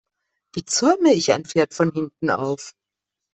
Wie zäume ich ein Pferd von hinten auf?